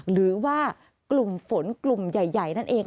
หรือว่ากลุ่มฝนกลุ่มใหญ่นั่นเอง